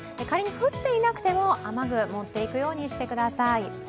仮に降っていなくても雨具持っていくようにしてください。